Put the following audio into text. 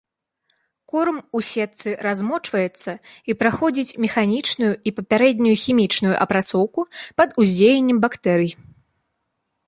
Корм у сетцы размочваецца і праходзіць механічную і папярэднюю хімічную апрацоўку пад уздзеяннем бактэрый.